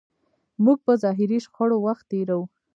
موږ په ظاهري شخړو وخت تېروو.